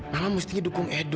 mama mestinya dukung edo